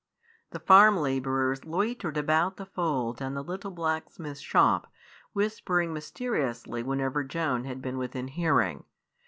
The farm labourers loitered about the fold and the little blacksmith's shop, whispering mysteriously whenever Joan had been within hearing.